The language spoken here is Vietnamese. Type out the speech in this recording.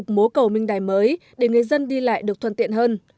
các đơn vị thi công đang phục mố cầu minh đài mới để người dân đi lại được thuận tiện hơn